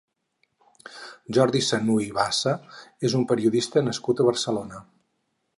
Jordi Sanuy Bassa és un periodista nascut a Barcelona.